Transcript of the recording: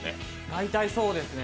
大体そうですね。